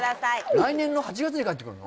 来年の８月に帰ってくるの？